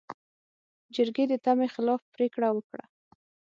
جرګې د تمې خلاف پرېکړه وکړه.